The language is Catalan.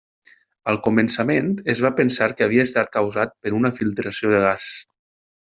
Al començament es va pensar que havia estat causat per una filtració de gas.